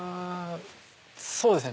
そうですね